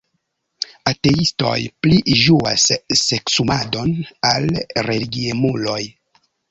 Ateistoj pli ĝuas seksumadon ol religiemuloj.